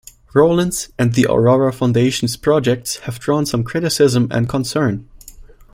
Rowland's and the Aurora Foundation's projects have drawn some criticism and concern.